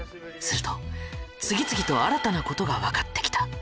すると次々と新たなことがわかってきた。